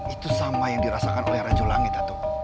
itu sama yang dirasakan oleh raja langit dato